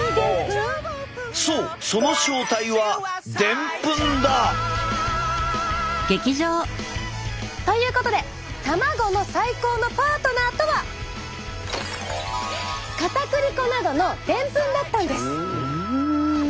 そうその正体はということで卵の最高のパートナーとはかたくり粉などのでんぷんだったんです。